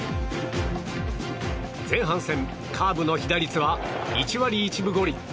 前半戦、カーブの被打率は１割１分５厘。